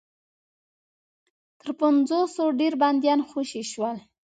تر پنځوسو ډېر بنديان خوشي شول.